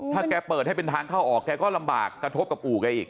ถ้าแกเปิดให้เป็นทางเข้าออกแกก็ลำบากกระทบกับอู่แกอีก